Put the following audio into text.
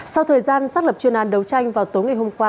sau thời gian xác lập chuyên án đấu tranh vào tối ngày hôm qua